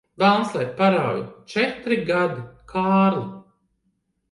Velns lai parauj! Četri gadi, Kārli.